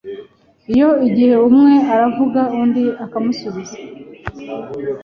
Iyo gihe umwe aravuga undi akamusuiza